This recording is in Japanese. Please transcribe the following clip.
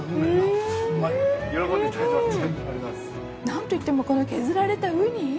なんといってもこの削られたウニ。